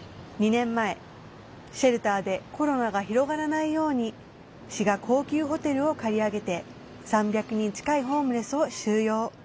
２年前、シェルターでコロナが広がらないように市が高級ホテルを借り上げて３００人近いホームレスを収容。